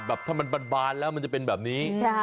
อันถ้ามันบานแล้วจะเป็นแบบนี้